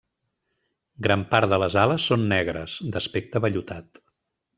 Gran part de les ales són negres, d'aspecte vellutat.